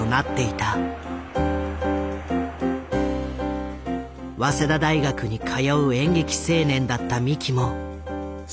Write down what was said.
早稲田大学に通う演劇青年だった三木もそんな一人だった。